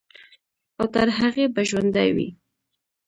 او تر هغې به ژوندے وي،